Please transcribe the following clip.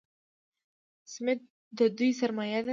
سمت د دوی سرمایه ده.